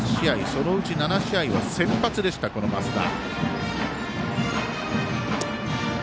そのうち７試合は先発でした増田。